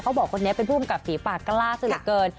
เขาบอกว่าคนนี้เป็นผู้กำกัดฝีปากล้าซะเยอะเกิน